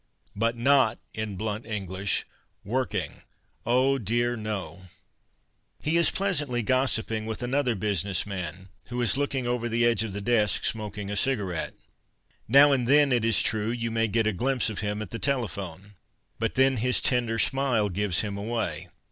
IJut not, in bhuit English, working, oh dear no ! He is pleasantly gossiping with another business man, who is loUing over the edge of the desk smoking a cigar ette. Now and then, it is true, you may get a glimpse of liiin at the tekplione. Jiut then his tender smile gives him away.